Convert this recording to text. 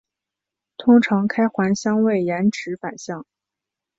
通常开环相位延迟反相。